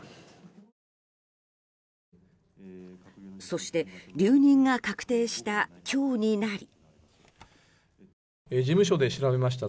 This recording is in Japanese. そして、留任が確定した今日になり。